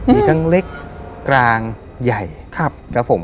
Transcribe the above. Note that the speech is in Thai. มีทั้งเล็กกลางใหญ่ครับผม